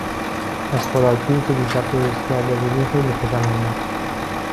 از خوراکی که دیشب درست کرده بودی خیلی خوشم آمد.